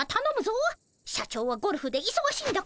社長はゴルフでいそがしいんだからな。